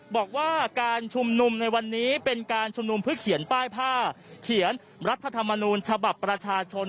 บอกว่าการชุมนุมในวันนี้เป็นการชุมนุมเพื่อเขียนป้ายผ้าเขียนรัฐธรรมนูญฉบับประชาชน